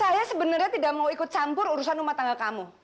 saya sebenarnya tidak mau ikut campur urusan rumah tangga kamu